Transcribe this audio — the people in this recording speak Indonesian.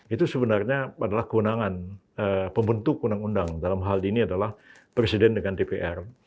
itu sebenarnya adalah kewenangan pembentuk undang undang dalam hal ini adalah presiden dengan dpr